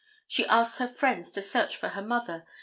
She asks her friends to search for her mother.